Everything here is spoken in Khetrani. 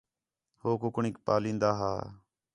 ہو کُکڑینک پَلین٘دا ہا